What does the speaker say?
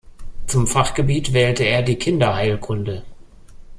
Zum Fachgebiet wählte er die Kinderheilkunde.